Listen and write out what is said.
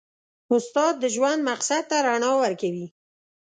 استاد د ژوند مقصد ته رڼا ورکوي.